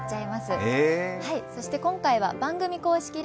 そして今回は番組公式